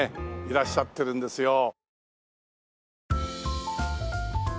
いらっしゃってるんですよ。